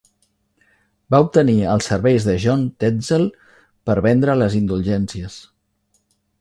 Va obtenir els serveis de John Tetzel per vendre les indulgències.